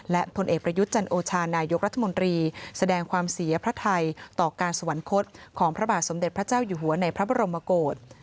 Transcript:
และผลเอกประยุทธ์จันโอชานายกรัฐมนตรีแสดงความเสียพระไทยต่อการสวรรคตของพระบาทสมเด็จพระเจ้าอยู่หัวในพระบรมโกศ